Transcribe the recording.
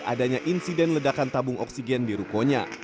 adanya insiden ledakan tabung oksigen di rukonya